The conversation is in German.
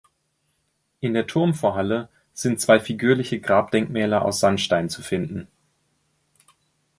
In der Turmvorhalle sind zwei figürliche Grabdenkmäler aus Sandstein zu finden.